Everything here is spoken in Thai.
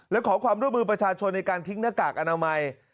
และขอความร่วมมือประชาชนในการทิ้งหน้ากากอนามัย